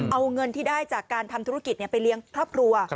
เอาเงินที่ได้จากการทำธุรกิจไปเลี้ยงครอบครัว